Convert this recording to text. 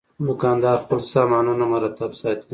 دوکاندار خپل سامانونه مرتب ساتي.